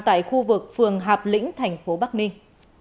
tại khu vực phường hạp lĩnh thành phố bắc ninh